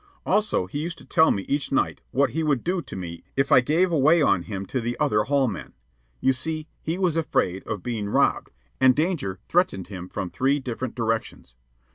Also, he used to tell me each night what he would do to me if I gave away on him to the other hall men. You see, he was afraid of being robbed, and danger threatened him from three different directions.